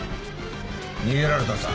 逃げられたぞ。